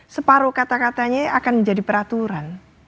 separuh kata katanya akan menjadi peraturan